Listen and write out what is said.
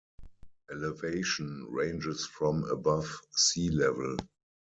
Elevation ranges from above sea level.